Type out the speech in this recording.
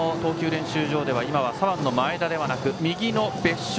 練習場では今は左腕の前田ではなく右の別所。